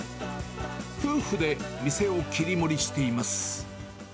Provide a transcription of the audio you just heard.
夫婦で店を切り盛りしています。